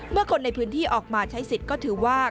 คนในพื้นที่ออกมาใช้สิทธิ์ก็ถือว่า